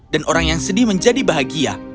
dan orang yang sedih menjadi bahagia